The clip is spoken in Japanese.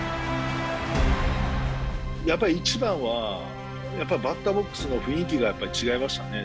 やっぱり一番は、やっぱりバッターボックスの雰囲気が違いましたね。